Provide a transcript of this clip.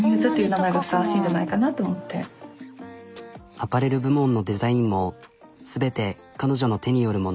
アパレル部門のデザインも全て彼女の手によるもの。